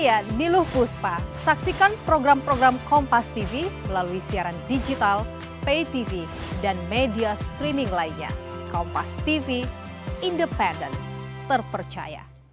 alhamdulillah ini telah dilaksanakan dengan baik dan diikuti oleh jamaah di lingkungan kebaran baru